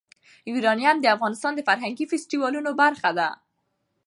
یورانیم د افغانستان د فرهنګي فستیوالونو برخه ده.